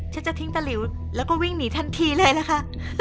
จะทิ้งตะหลิวแล้วก็วิ่งหนีทันทีเลยนะคะ